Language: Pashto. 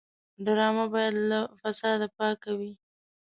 ډرامه باید له فساد پاکه وي